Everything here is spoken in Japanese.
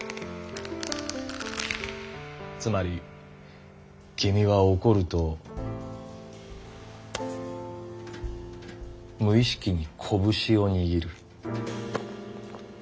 つまり君は怒ると無意識にこぶしを握る。